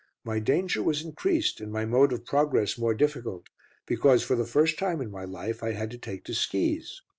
My danger was increased, and my mode of progress more difficult, because for the first time in my life I had to take to skis.